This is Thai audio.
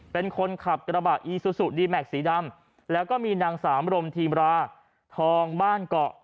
เป็นคนขับกระบะอีซูซูดีแม็กซ์สีดำแล้วก็มีนางสามรมทีมราทองบ้านเกาะ